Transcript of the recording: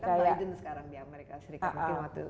kita kan biden sekarang di amerika serikat